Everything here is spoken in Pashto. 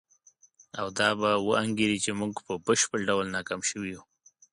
او دا به وانګیري چې موږ په بشپړ ډول ناکام شوي یو.